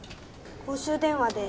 公衆電話で。